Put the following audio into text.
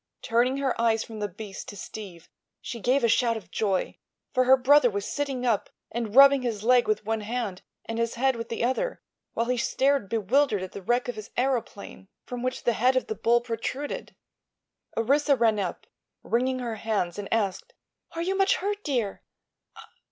Turning her eyes from the beast to Steve she gave a shout of joy, for her brother was sitting up and rubbing his leg with one hand and his head with the other, while he stared bewildered at the wreck of his aëroplane, from which the head of the bull protruded. Orissa ran up, wringing her hands, and asked: "Are you much hurt, dear?"